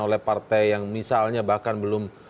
oleh partai yang misalnya bahkan belum